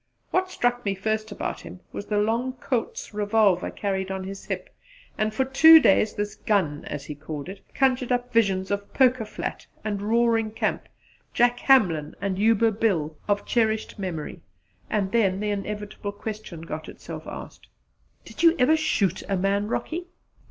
What struck me first about him was the long Colt's revolver, carried on his hip; and for two days this 'gun,' as he called it, conjured up visions of Poker Flat and Roaring Camp, Jack Hamlin and Yuba Bill of cherished memory; and then the inevitable question got itself asked: "Did you ever shoot a man, Rocky?"